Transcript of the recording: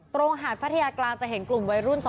หาดพัทยากลางจะเห็นกลุ่มวัยรุ่น๒